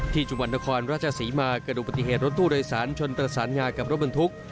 ที่จุงวันทครราชสีมากระดูกปฏิเหตุรถตู้โดยสารชนตระสานงากับรถบรรทุก